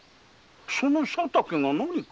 その佐竹が何か？